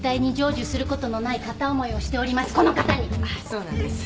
そうなんです。